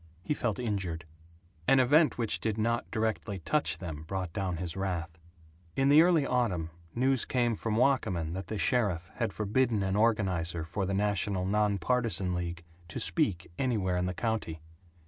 He felt injured. An event which did not directly touch them brought down his wrath. In the early autumn, news came from Wakamin that the sheriff had forbidden an organizer for the National Nonpartisan League to speak anywhere in the county.